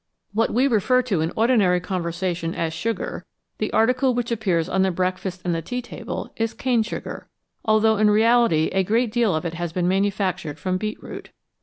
What we refer to in ordinary conversation as " sugar," the article which appears on the breakfast and the tea table, is cane sugar, although in reality a great deal of it has been manufactured from beetroot.